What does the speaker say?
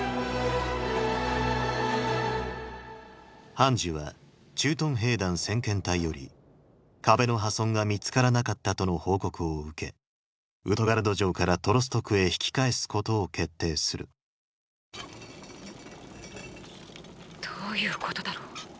ハンジは駐屯兵団先遣隊より壁の破損が見つからなかったとの報告を受けウトガルド城からトロスト区へ引き返すことを決定するどういうことだろう。